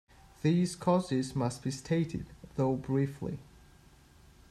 These causes must be stated, though briefly.